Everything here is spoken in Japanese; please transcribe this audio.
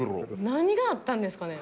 何があったんですかね？